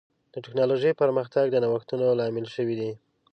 د ټکنالوجۍ پرمختګ د نوښتونو لامل شوی دی.